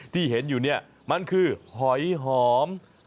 ที่เห็นอยู่เนี่ยมันคือหอยหอม